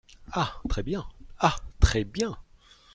Ah ! très bien ! ah ! très bien !